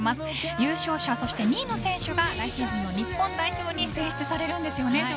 優勝者、２位の選手が来シーズンの日本代表に選出されるんですよね。